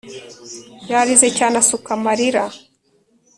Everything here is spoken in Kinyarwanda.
Yarize cyane asuka amarira.